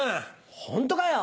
ホントかよ？